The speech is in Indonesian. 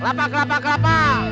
kelapa kelapa kelapa